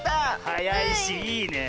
はやいしいいねえ。